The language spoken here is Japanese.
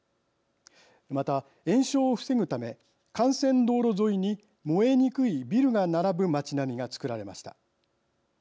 また、延焼を防ぐため幹線道路沿いに燃えにくいビルが並ぶ街並みが作られました。